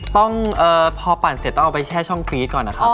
ต้องพอปั่นเสร็จต้องเอาไปแช่ช่องกรี๊ดก่อนนะครับ